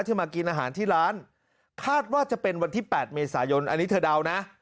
มากินอาหารที่ร้านคาดว่าจะเป็นวันที่๘เมษายนอันนี้เธอเดานะ